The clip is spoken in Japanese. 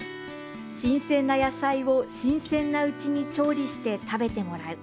新鮮な野菜を新鮮なうちに調理して食べてもらう。